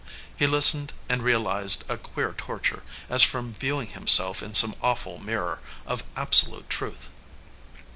He listened, and realized a queer torture, as from viewing himself in some awful mirror of absolute truth.